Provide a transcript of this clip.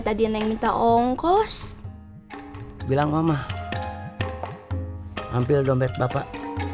tadi yang minta ongkos bilang mama hampir dompet bapak